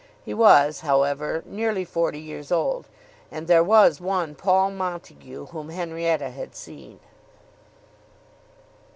He was, however, nearly forty years old, and there was one Paul Montague whom Henrietta had seen.